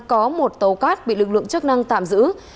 có một tàu cát bị lực lượng chức năng tạm giữ